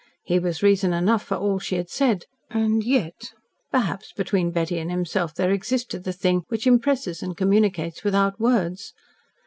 He was reason enough for all she had said. And yet ! Perhaps, between Betty and himself there existed the thing which impresses and communicates without words.